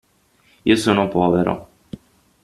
Io sono povero.